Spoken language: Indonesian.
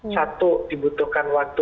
satu dibutuhkan waktu